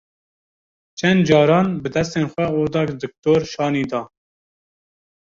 Çend caran bi destên xwe oda diktor şanî da.